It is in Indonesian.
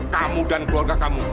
kamu dan keluarga kamu